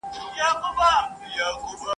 لمر له ښاره کوچېدلی ..